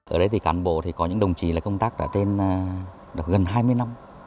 ở đây thì cán bộ có những đồng chí công tác gần hai mươi năm